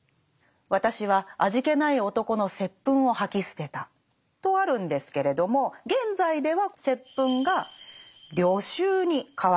「私は味気ない男の接吻を吐き捨てた」とあるんですけれども現在では「接吻」が「旅愁」に変わっています。